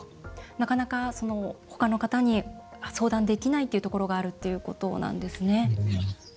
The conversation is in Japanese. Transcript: なかなか、ほかの方に相談できないというところがあるってことなんですね。